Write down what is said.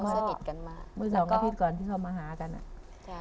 เมื่อสองอาทิตย์ก่อนที่เขามาหากันอะ